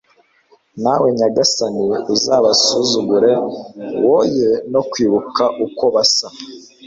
nawe nyagasani, uzabasuzugure, woye no kwibuka uko basa